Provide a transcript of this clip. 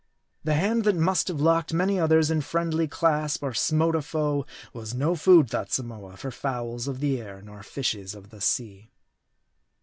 The hand that must have locked many others in friendly clasp, or smote a foe, was no food, thought Samoa, for fowls of the air nor fishes of the sea.